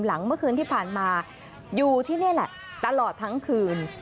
เมื่อคืนที่ผ่านมาอยู่ที่นี่แหละตลอดทั้งคืน